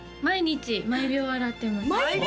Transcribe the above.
毎日毎秒笑ってます